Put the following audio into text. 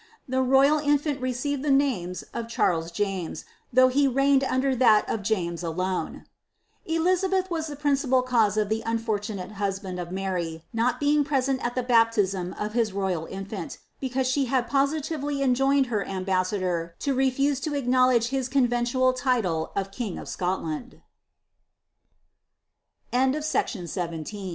The royal infant received the names of Charles James, though he reigned under that of James alone. Eliiabelh was the principal cause of the unfortunate husband of Mary ■01 being present at the baptism of his royal infant, because she had positively enjoined her ambassador to refuse to acknowledge his coi